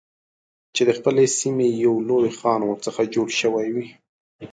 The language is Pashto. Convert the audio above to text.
چې د خپلې سیمې یو لوی خان ورڅخه جوړ شوی وي.